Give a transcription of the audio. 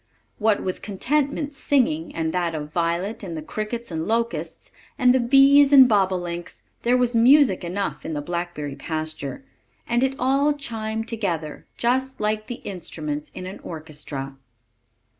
What with Contentment's singing, and that of Violet, and the crickets and locusts, and the bees and bobolinks, there was music enough in the blackberry pasture; and it all chimed together just like the instruments in an orchestra.